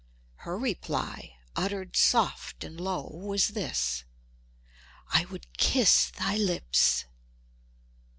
Her reply, uttered soft and low, was this: "I would kiss thy lips!"